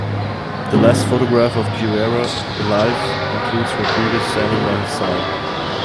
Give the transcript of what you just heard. The last photograph of Guevara alive includes Rodriguez standing by his side.